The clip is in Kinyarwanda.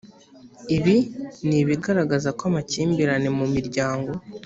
ibi ni ibigaragaza ko amakimbirane mu miryango